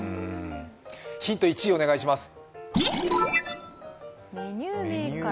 ヒント１、お願いします。